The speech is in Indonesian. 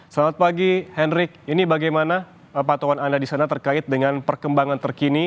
selamat pagi henrik ini bagaimana patokan anda di sana terkait dengan perkembangan terkini